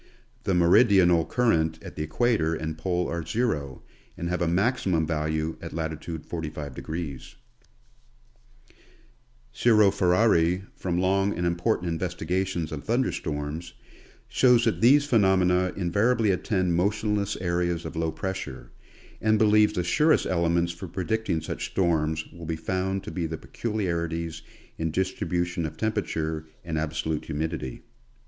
The meridional current at the equator and pole are zero, and have a maximum value at latitude 45°. Giro Ferari, from long and important investigations of thun der storms, shows that these phenomena invariably attend motion less areas of low pressure, and believes the surest elements for predicting such storms will be found to be the peculiarities in distribution of temperature and absolute humidity.